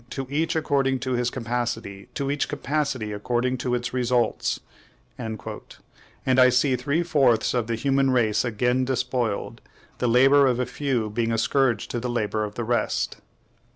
to each according to his capacity; to each capacity according to its results!" And I see three fourths of the human race again despoiled, the labor of a few being a scourge to the labor of the rest.